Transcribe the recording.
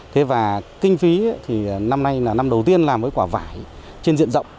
thế và kinh phí thì năm nay là năm đầu tiên làm với quả vải trên diện rộng